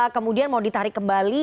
kemudian mau ditarik kembali